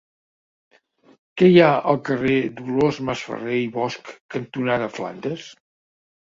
Què hi ha al carrer Dolors Masferrer i Bosch cantonada Flandes?